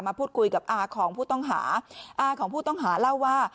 พูดคุยกับอาของผู้ต้องหาอาของผู้ต้องหาเล่าว่า